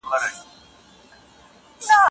هغه وويل الله تعالی پدغو حروفو سره قسم کړی دی.